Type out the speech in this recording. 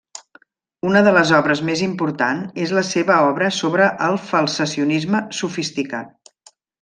Una de les obres més important és la seva obra sobre el Falsacionisme sofisticat.